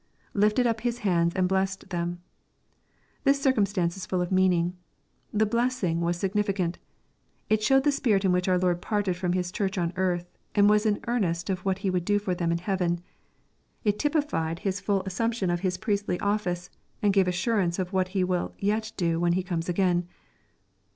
[Lifted up his hands and blessed (hem.] This circumstance ia full of meaning. The blessing was significant It showed the spirit in which our Lord parted from His church on earth, and was an earnest of what He would do for them in heaven. It typ ified His full assumption of His priestly office, and gave assurancf of what He will yet do when He comes again.